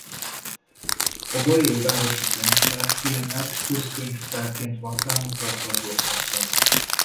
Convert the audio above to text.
A bajai városi könyvtár kiemelt közkönyvtárként van számon tartva az országban.